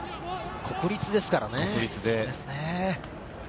国立ですからね。